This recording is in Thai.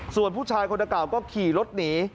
ส่วนผู้ชายคนเก่าก็ขี่รถหนี